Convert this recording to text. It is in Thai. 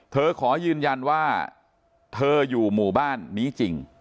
ขอยืนยันว่าเธออยู่หมู่บ้านนี้จริง